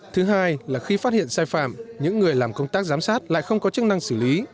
thứ hai là khi phát hiện sai phạm những người làm công tác giám sát lại không có chức năng xử lý